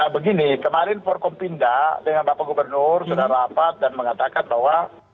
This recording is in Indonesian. begini kemarin forkompinda dengan bapak gubernur sudah rapat dan mengatakan bahwa